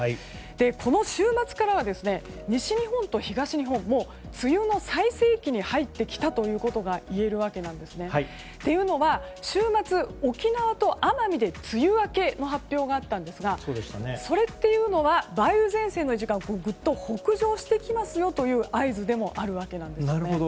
この週末からは西日本と東日本も梅雨の最盛期に入ってきたということがいえるわけなんですね。というのは週末、沖縄と奄美で梅雨明けの発表があったんですがそれっていうのは梅雨前線がぐっと北上してきますよという合図でもあるわけなんですね。